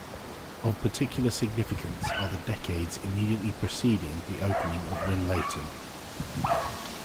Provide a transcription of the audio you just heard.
Of particular significance are the decades immediately preceding the opening of Winlaton.